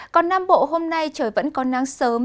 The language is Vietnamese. còn nam bộ hôm nay trời vẫn còn nắng sớm